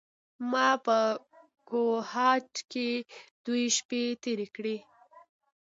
ما په کوهاټ کې دوې شپې تېرې کړې.